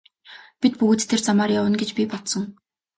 Бид бүгд тэр замаар явна гэж би бодсон.